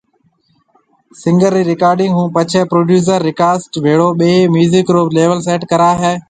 سنگر ري رڪارڊنگ ھونپڇي پروڊيوسر رڪارسٽ ڀيڙو ٻيۿي ميوزڪ رو ليول سيٽ ڪراوي ھيَََ